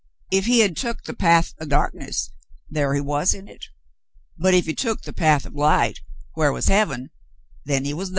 Ef he hed tuk the path o' darkness, thar he war in hit ; but ef he hed tuk the path o' light whar war heaven, then he war thar.